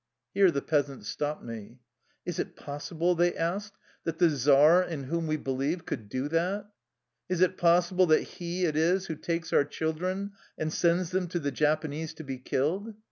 ... Here the peasants stopped me. " Is it possible/' they asked, " that the czar, in whom we believe, could do that? Is it pos sible that he it is who takes our children and sends them to the Japanese to be killed?